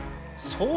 そう。